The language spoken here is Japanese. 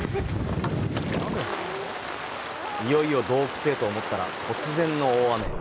いよいよ洞窟へと思ったら突然の大雨。